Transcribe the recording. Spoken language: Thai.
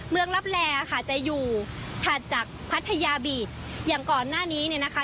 ลับแลค่ะจะอยู่ถัดจากพัทยาบีตอย่างก่อนหน้านี้เนี่ยนะคะ